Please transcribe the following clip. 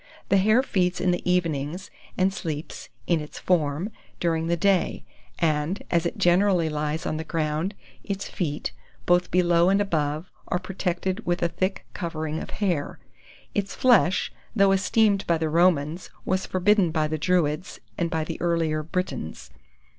The hare feeds in the evenings, and sleeps, in its form, during the day; and, as it generally lies on the ground, its feet, both below and above, are protected with a thick covering of hair. Its flesh, though esteemed by the Romans, was forbidden by the Druids and by the earlier Britons.